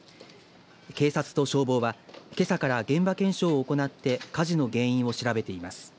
警察と消防は、けさから現場検証を行って火事の原因を調べています。